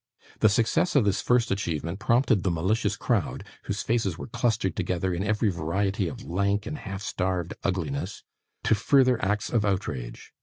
The success of this first achievement prompted the malicious crowd, whose faces were clustered together in every variety of lank and half starved ugliness, to further acts of outrage.